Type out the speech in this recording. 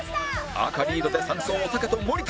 赤リードで３走おたけと森田